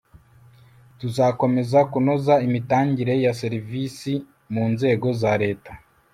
tuzakomeza kunoza imitangire ya serivisi mu nzego za leta